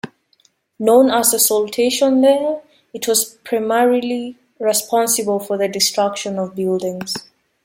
Known as the saltation layer, it was primarily responsible for the destruction of buildings.